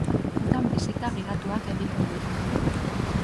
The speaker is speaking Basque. Udan bisita gidatuak egiten dira.